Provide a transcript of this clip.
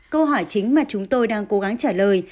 câu hỏi chính mà chúng tôi đang cố gắng trả lời